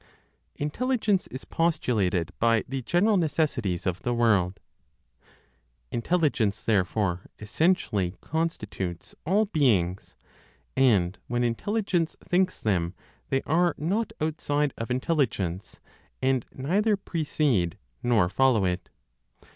INTELLIGENCE IS POSTULATED BY THE GENERAL NECESSITIES OF THE WORLD. Intelligence, therefore, essentially constitutes all beings; and when Intelligence thinks them, they are not outside of Intelligence, and neither precede nor follow it.